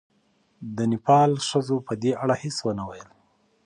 د نېپال ښځو په دې اړه هېڅ ونه ویل.